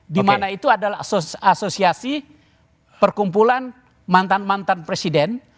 di mana itu adalah asosiasi perkumpulan mantan mantan presiden